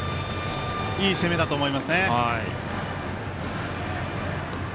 いい攻めだと思いますね。